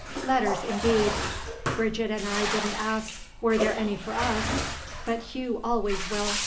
Letters indeed! Bridget and I didn't ask were there any for us; but Hugh always will.